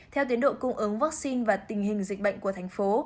theo tiến độ cung ứng vaccine và tình hình dịch bệnh của thành phố